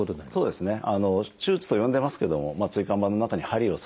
そうですね